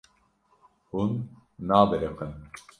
Hûn nabiriqin.